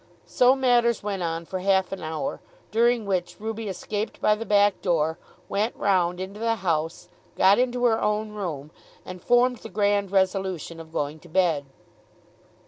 So matters went on for half an hour; during which Ruby escaped by the back door, went round into the house, got into her own room, and formed the grand resolution of going to bed.